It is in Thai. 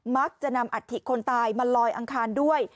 มักจะนำอัฐิคนตายมาลอยอังคารด้วย